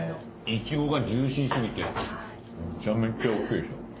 いちごがジューシー過ぎてめちゃめちゃ大きいですよ。